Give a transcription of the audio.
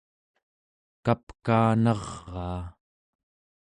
kapkaanaraa